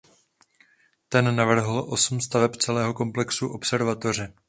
Ten navrhl osm staveb celého komplexu observatoře.